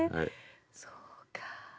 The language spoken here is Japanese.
そうか。